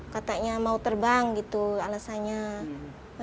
katanya mau terbang gitu alasannya